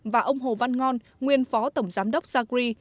và ông hồ văn ngon nguyên phó tổng giám đốc sacri